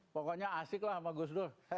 pokoknya asik lah sama gus dur